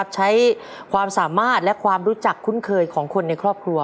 ใช้ความสามารถและความรู้จักคุ้นเคยของคนในครอบครัว